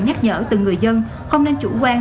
nhắc nhở từ người dân không nên chủ quan